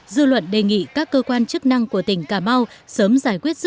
dư luận đề nghị các cơ quan chức năng của tỉnh cà mau sớm giải quyết dự án